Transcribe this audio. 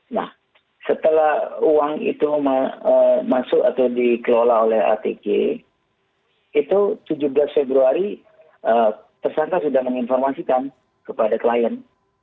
nah setelah uang itu masuk atau dikelola oleh atg itu tujuh belas februari tersangka sudah menginformasikan kepada klien